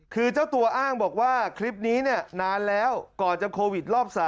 คือเจ้าตัวอ้างบอกว่าคลิปนี้นานแล้วก่อนจะโควิดรอบ๓